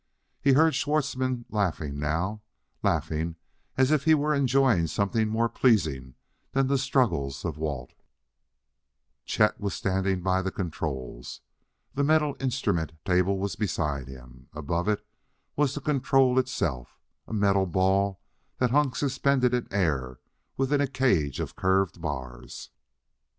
He heard Schwartzmann laughing now, laughing as if he were enjoying something more pleasing than the struggles of Walt. Chet was standing by the controls. The metal instrument table was beside him; above it was the control itself, a metal ball that hung suspended in air within a cage of curved bars.